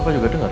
pak juga dengar